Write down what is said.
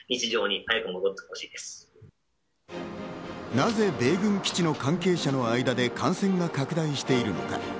なぜ米軍基地の関係者の間で感染が拡大しているのか。